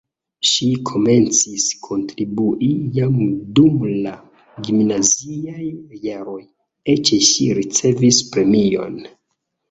Ŝi komencis kontribui jam dum la gimnaziaj jaroj, eĉ ŝi ricevis premion.